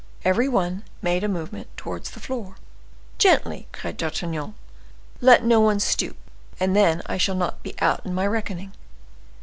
Every one made a movement towards the floor. "Gently!" cried D'Artagnan. "Let no one stoop, and then I shall not be out in my reckoning."